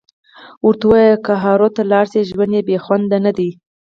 ورته ووایه که هارو ته لاړ شي ژوند یې خوندي ندی